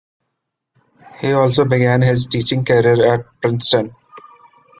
He also began his teaching career at Princeton.